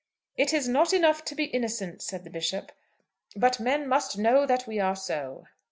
"It is not enough to be innocent," said the Bishop, "but men must know that we are so."